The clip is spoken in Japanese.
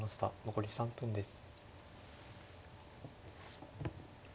残り３分です。